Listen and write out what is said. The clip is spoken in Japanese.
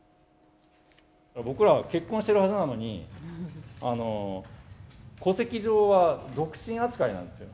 僕らは結婚しているはずなのに、戸籍上は独身扱いなんですよ。